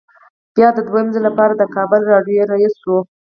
بیا د دویم ځل لپاره د کابل راډیو رییس شو.